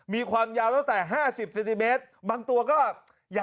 ไม่อยากใกล้เนี่ยที่ก็พูดไป